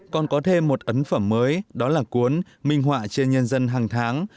còn có thêm một ấn phẩm mới đó là cuốn minh họa trên nhân dân hàng tháng